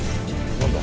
何だ？